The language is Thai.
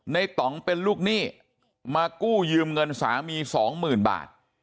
ต่องเป็นลูกหนี้มากู้ยืมเงินสามีสองหมื่นบาท